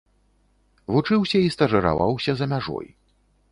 Вучыўся і стажыраваўся за мяжой.